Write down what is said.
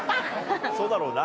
そうだろうな。